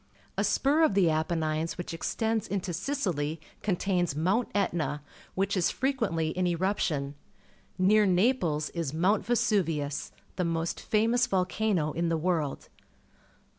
A spur of the Apennines wliich extends into Sicih' contains Mount Etna, wliich is frequently in eruption. Near Naples is Mount Vesuvius, the most famous volcano in the world.